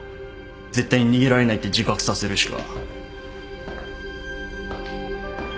絶対に逃げられないって自覚させるしか。